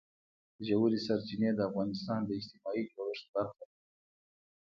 ژورې سرچینې د افغانستان د اجتماعي جوړښت برخه ده.